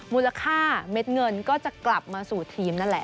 มูลค่าเม็ดเงินก็จะกลับมาสู่ทีมนั่นแหละ